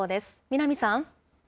南さん。